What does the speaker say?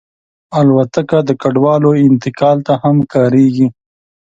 الوتکه د کډوالو انتقال ته هم کارېږي.